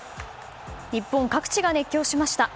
日本各地が熱狂しました。